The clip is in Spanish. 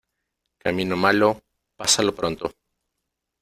Camino malo, pásalo pronto.